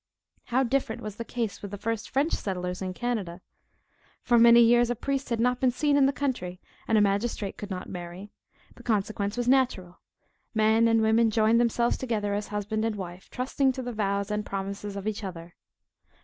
How different was the case with the first French settlers in Canada! For many years a priest had not been seen in the country, and a magistrate could not marry: the consequence was natural; men and woman joined themselves together as husband and wife, trusting to the vows and promises of each other.